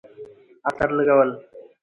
عطر لګول